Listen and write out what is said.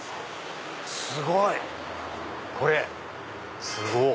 すごい！これすごっ！